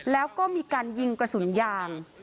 แล้วก็มีการยิงกระสุนยาง